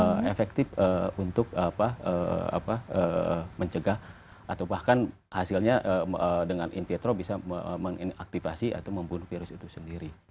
itu juga efektif untuk mencegah atau bahkan hasilnya dengan in vitro bisa mengaktivasi atau membunuh virus itu sendiri